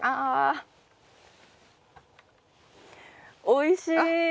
おいしい。